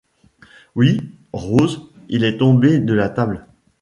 Oui, Rose, il est tombé de la table.